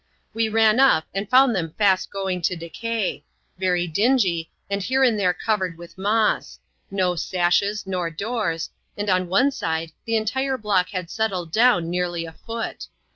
We ran up, and found them fast going to decay ; very dingy, and here and there covered with moss ; no sashes nor doors ; and on one side, the entire block had settled down nearly a foot.